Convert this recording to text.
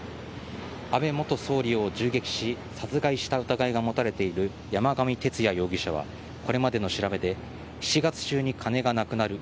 安倍元総理を銃撃し殺害した疑いが持たれている山上徹也容疑者はこれまでの調べで７月中には金がなくなる。